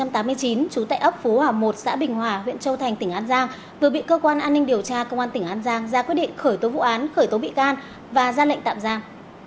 trú tại ấp phú hòa một xã bình hòa huyện châu thành tỉnh an giang vừa bị cơ quan an ninh điều tra công an tỉnh an giang ra quyết định khởi tố vụ án khởi tố bị can và ra lệnh tạm giam